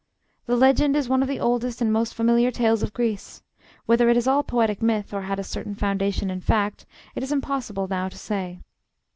The legend is one of the oldest and most familiar tales of Greece. Whether it is all poetic myth, or had a certain foundation in fact, it is impossible now to say.